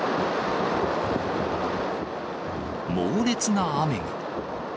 猛烈な雨が。